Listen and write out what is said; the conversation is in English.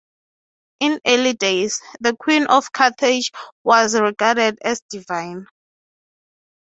In early days, the queen of Carthage was regarded as divine.